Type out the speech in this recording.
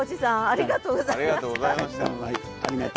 ありがとうございます。